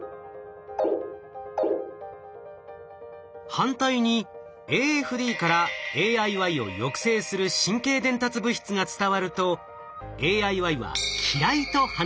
反対にＡＦＤからＡＩＹを抑制する神経伝達物質が伝わるとＡＩＹは「嫌い」と判断。